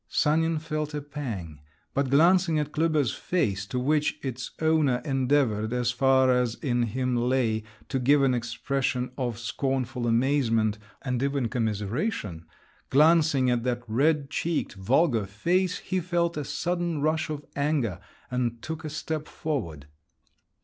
Sanin felt a pang; but glancing at Klüber's face, to which its owner endeavoured, as far as in him lay, to give an expression of scornful amazement, and even commiseration, glancing at that red cheeked, vulgar face, he felt a sudden rush of anger, and took a step forward.